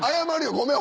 「ごめん。